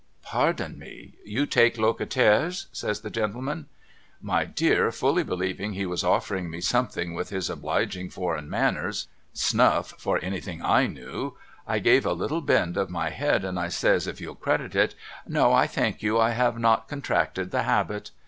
' Pardon me. You take Locataires ?' says the gentleman. My dear fully believing he was offering me something with his obliging foreign manners, — snuff for anything I knew, — I gave a little bend of my head and I says if you'll credit it, ' No I thank you. I have not contracted the habit.'